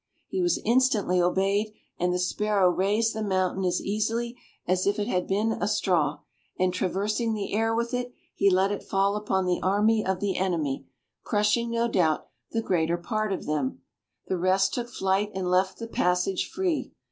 He was instantly obeyed, and the sparrow raised the mountain as easily as if it had been a straw, and traversing the air with it, he let it fall upon the army of the enemy, crushing, no doubt, the greater part of them; the rest took flight and left the passage free.